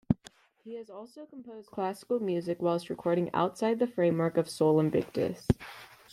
He has also composed classical music whilst recording outside the framework of Sol Invictus.